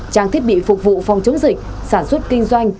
trang thiết bị phục vụ phòng chống dịch sản xuất kinh doanh